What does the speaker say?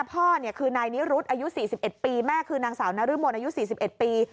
พ่อเนี่ยคือนายนิรุธอายุสี่สิบเอ็ดปีแม่คือนางสาวนารุมนอายุสี่สิบเอ็ดปี